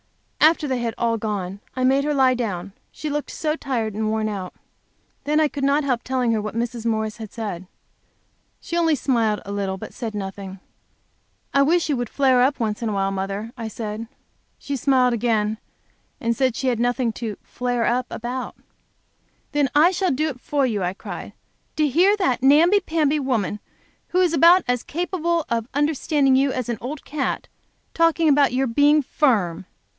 After they had all gone, I made her lie down, she looked so tired and worn out. Then, I could not help telling her what Mrs. Morris had said. She only smiled a little, but said nothing. "I wish you would ever flare up, mother," I said. She smiled again, and said she had nothing to "flare up" about. "Then I shall do it for you!" I cried. "To hear that namby pamby woman, who is about as capable of understanding you as an old cat, talking about your being firm!